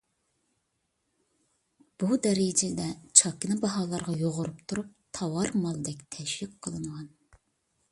بۇ دەرىجىدە چاكىنا باھالارغا يۇغۇرۇپ تۇرۇپ تاۋار مالدەك تەشۋىق قىلىنغان.